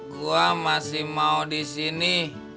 gue masih mau di sini